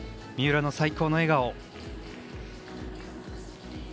三浦の最高の笑顔。